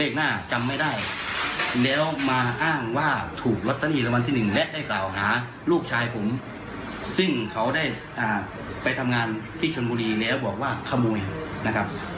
ซึ่งเขาได้ไปทำงานที่ชนบุรีแล้วบอกว่าขโมยนะครับ